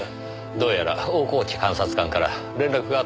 どうやら大河内監察官から連絡があったようですね。